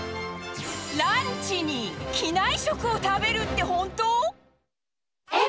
ランチに機内食を食べるって本当？